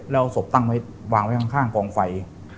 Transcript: แล้วศพตั้งไว้วางไว้ข้างกองไฟ